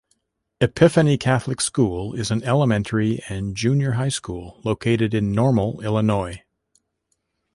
Epiphany Catholic School is an elementary and junior high school located in Normal, Illinois.